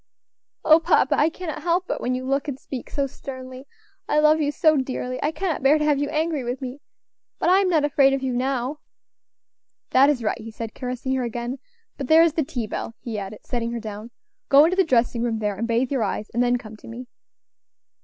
"O papa! I cannot help it, when you look and speak so sternly. I love you so dearly I cannot bear to have you angry with me; but I am not afraid of you now." "That is right," he said, caressing her again. "But there is the tea bell," he added, setting her down. "Go into the dressing room there, and bathe your eyes, and then come to me."